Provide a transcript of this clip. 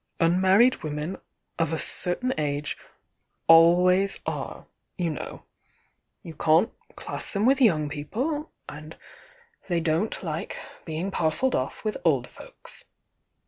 "Unmarried women of a certain age always are, you knew. You can't class THE YOUXG DIxiXA 51 them with young people, and they don't like being parceUed off with old folks.